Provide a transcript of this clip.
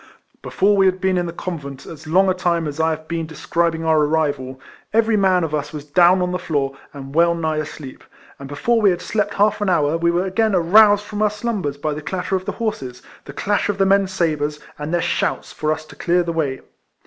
Before we had been in the convent as long a time as I have been describing our arrival, every man of us was down on the floor, and well nigh asleep ; and before we had slept half an hour, we were again aroused from our slumbers by the clatter of the horses, the clash of the men's sabres, and their shouts for us to clear the way.